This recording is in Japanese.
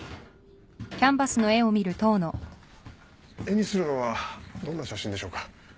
絵にするのはどんな写真でしょうか？